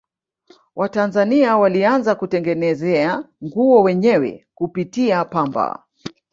watanzania walianza kutengenezea nguo wenyewe kupitia pamba